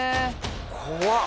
怖っ！